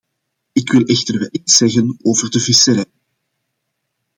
Ik wil echter wel iets zeggen over de visserij.